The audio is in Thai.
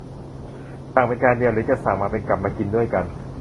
สั่งเป็นจานเดียว หรือจะสั่งเป็นกับมากินด้วยกัน